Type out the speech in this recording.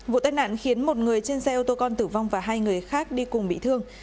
vụ tai nạn khiến một người trên xe ô tô con tử vong và hai người khác đi cùng bị thương